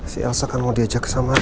si elsa kan mau diajak sama linda